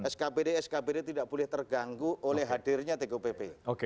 skbd skbd tidak boleh terganggu oleh hadirnya tgpp